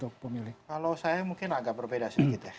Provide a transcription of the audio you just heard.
kalau saya mungkin agak berbeda sedikit ya